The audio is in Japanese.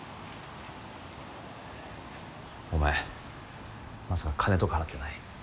お前まさか金とか払ってない？